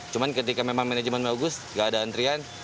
cuma ketika memang manajemen bagus gak ada antrian